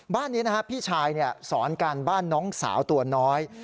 บ้านนี้นะฮะพี่ชายสอนการบ้านน้องสาวตัวน้อย